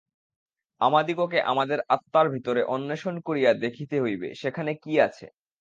আমাদিগকে আমাদের আত্মার ভিতরে অন্বেষণ করিয়া দেখিতে হইবে, সেখানে কি আছে।